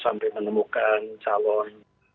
sampai menemukan calon